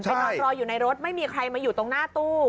นอนรออยู่ในรถไม่มีใครมาอยู่ตรงหน้าตู้